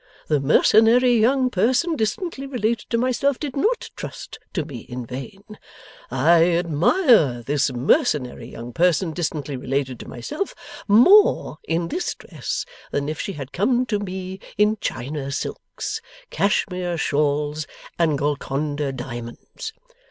The mercenary young person distantly related to myself, did not trust to me in vain! I admire this mercenary young person distantly related to myself, more in this dress than if she had come to me in China silks, Cashmere shawls, and Golconda diamonds.